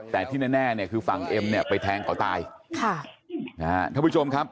แต่ที่แน่แน่เนี่ยคือฝั่งเอ็มเนี่ยไปแทงเขาตายค่ะนะฮะท่านผู้ชมครับ